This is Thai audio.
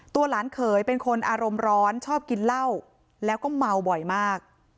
หลานเขยเป็นคนอารมณ์ร้อนชอบกินเหล้าแล้วก็เมาบ่อยมาก